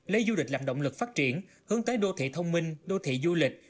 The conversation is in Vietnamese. lấy du lịch làm động lực phát triển hướng tới đô thị thông minh đô thị du lịch